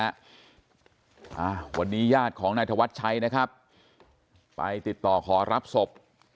อ่าวันนี้ญาติของนายธวัชชัยนะครับไปติดต่อขอรับศพ